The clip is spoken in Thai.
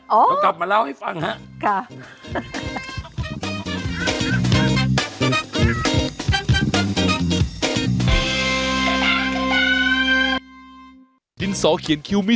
เรากลับมาเล่าให้ฟังครับ